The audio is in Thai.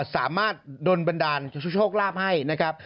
สามารถโดนบรรดาชุกลาภให้นะครับ